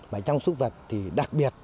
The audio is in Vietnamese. và trong súc vật thì đặc biệt